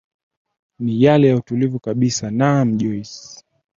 ni yale ya utulivu kabisa naam joyce